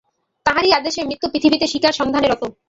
তাঁহারই আদেশে মৃত্যু পৃথিবীতে শিকারসন্ধানে রত।